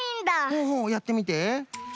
ほうほうやってみて。